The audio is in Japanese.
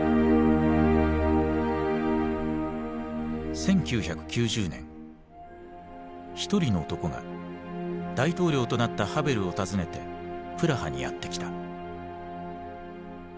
１９９０年一人の男が大統領となったハヴェルを訪ねてプラハにやって来た。